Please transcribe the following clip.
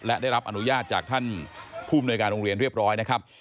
และได้รับอนุญาตจากท่านผู้มนวยการโรงเรียนเรียบร้อยนะครับ